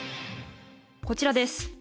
こちらです。